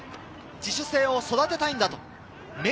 自主性を育てたいんだ。